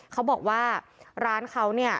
เขาบอกว่าร้านเขาเนี่ย